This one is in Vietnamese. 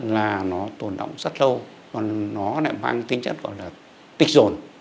là nó tồn động rất lâu còn nó lại mang tính chất gọi là tích rồn